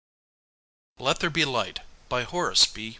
t Let There Be Light By Horace B.